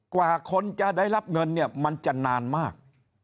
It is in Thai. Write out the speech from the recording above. กว่าคนจะได้รับเงินเนี่ยมันจะนานมาก